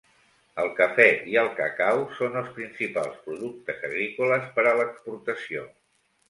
El cafè i el cacau són els principals productes agrícoles per a l'exportació.